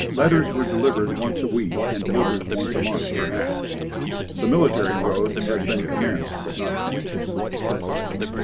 Letters were delivered once a week and papers once a month, perhaps. The military road had been commenced but not finished.